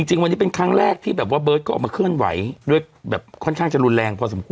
จริงวันนี้เป็นครั้งแรกที่แบบว่าเบิร์ตก็ออกมาเคลื่อนไหวด้วยแบบค่อนข้างจะรุนแรงพอสมค